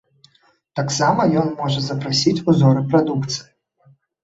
Таксама ён можа запрасіць узоры прадукцыі.